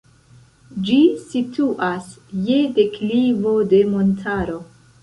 Ĝi situas je deklivo de montaro.